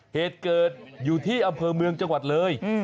เหตุเกิดอยู่ที่อำเภอเมืองจังหวัดเลย